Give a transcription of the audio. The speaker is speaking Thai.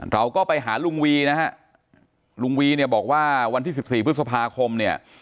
เราก็ไปหาลุงวีนะฮะลุงวีเนี่ยบอกว่าวันที่๑๔พฤษภาคมเนี่ย